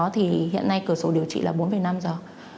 thì hiện nay cửa sổ điều trị là bốn năm giờ